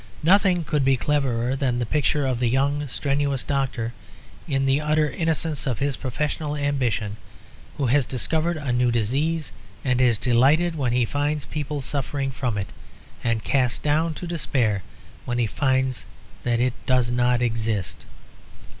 Nothing could be cleverer than the picture of the young, strenuous doctor, in the utter innocence of his professional ambition, who has discovered a new disease, and is delighted when he finds people suffering from it and cast down to despair when he finds that it does not exist.